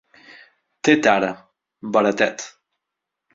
Té tara: baratet!